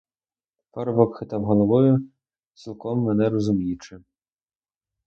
Парубок хитав головою, цілком мене розуміючи.